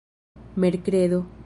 merkredo